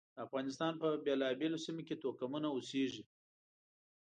د افغانستان په بېلابېلو سیمو کې توکمونه اوسېږي.